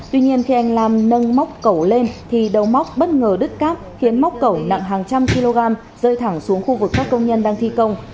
tuy nhiên khi anh làm nâng móc cẩu lên thì đầu móc bất ngờ đứt cáp khiến móc cẩu nặng hàng trăm kg rơi thẳng xuống khu vực các công nhân đang thi công